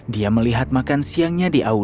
dia melihat makan siangnya di au